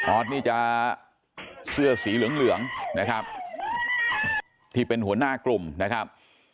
อสนี่จะเสื้อสีเหลืองเหลืองนะครับที่เป็นหัวหน้ากลุ่มนะครับ